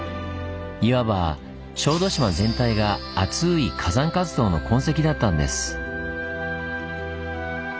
いわば小豆島全体がアツイ火山活動の痕跡だったんです。